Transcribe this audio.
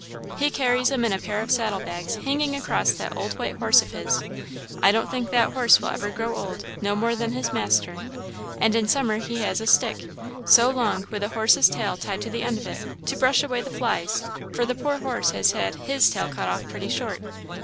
He carries 'em in a pair of saddle bags hanging across that old white horse of his I don't think that horse will ever grow old, no more than his master; and in summer he has a stick so long with a horse's tail tied to the end of it, to brush away the flies, for the poor horse has had his tail cut off pretty short.